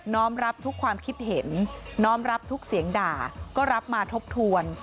รับทุกความคิดเห็นน้อมรับทุกเสียงด่าก็รับมาทบทวน